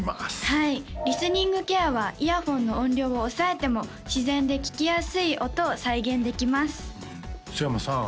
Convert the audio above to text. はいリスニングケアはイヤホンの音量を抑えても自然で聴きやすい音を再現できます須山さん